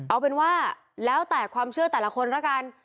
เอาเป็นว่าแล้วแต่ความเชื่อแต่ละคนแล้วกัน